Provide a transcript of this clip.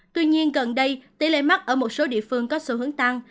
tuy nhiên gần đây tỷ lệ mắc ở một số địa phương có xu hướng tăng